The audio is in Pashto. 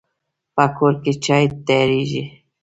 په کور کې چای تیاریږي